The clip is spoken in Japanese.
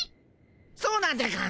そうなんでゴンス。